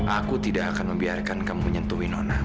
aku tidak akan membiarkan kamu menyentuh nona